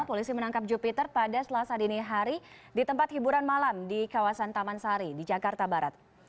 polisi menangkap jupiter pada selasa dini hari di tempat hiburan malam di kawasan taman sari di jakarta barat